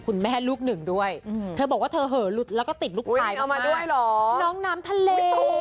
คุณแม่ลูกหนึ่งด้วยเธอบอกว่าเธอเหลือลุดแล้วก็ติดลูกชายมากน้องน้ำทะเล